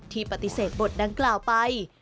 ปฏิเสธบทดังกล่าวไป